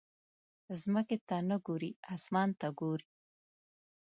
ځمکې ته نه ګورې، اسمان ته ګورې.